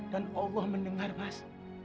dan allah mendengar mas